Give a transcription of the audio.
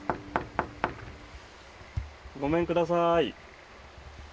ごめんください。